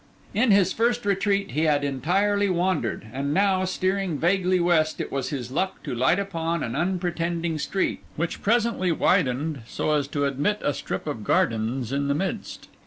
In his first retreat he had entirely wandered; and now, steering vaguely west, it was his luck to light upon an unpretending street, which presently widened so as to admit a strip of gardens in the midst.